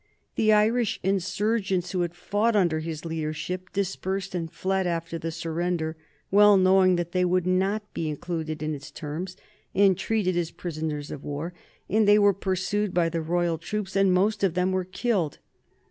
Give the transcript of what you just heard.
The Irish insurgents who had fought under his leadership dispersed and fled after the surrender, well knowing that they would not be included in its terms and treated as prisoners of war, and they were pursued by the royal troops and most of them were killed.